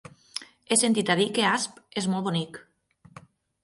He sentit a dir que Asp és molt bonic.